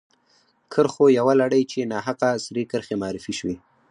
کرښو یوه لړۍ چې ناحقه سرې کرښې معرفي شوې.